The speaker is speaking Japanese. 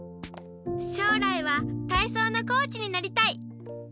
しょうらいはたいそうのコーチになりたい！